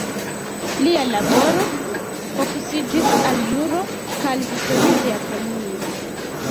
Lia laboro fokusiĝis al juro kaj historio de Japanio.